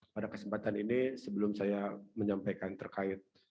pada kesempatan ini sebelum saya menyampaikan terkait